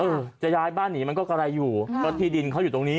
เออจะย้ายบ้านหนีมันก็กระไรอยู่ก็ที่ดินเขาอยู่ตรงนี้